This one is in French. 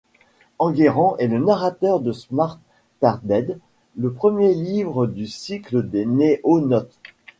Enguerrand est le narrateur de Smartarded, le premier livre du cycle des NoéNautes.